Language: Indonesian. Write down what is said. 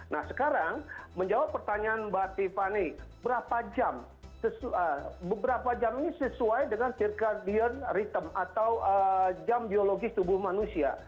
nah sekarang menjawab pertanyaan mbak tiffany berapa jam beberapa jam ini sesuai dengan circadian rytem atau jam biologis tubuh manusia